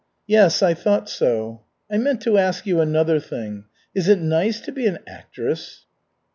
"Yes, I thought so. I meant to ask you another thing. Is it nice to be an actress?"